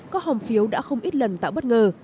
các hòm phiếu đã không ít lần tạo bất ngờ